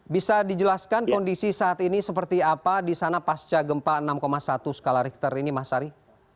bisa dijelaskan kondisi saat ini seperti apa di sana pasca gempa enam satu skala richter ini mas ari